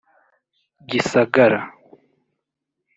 Gisagara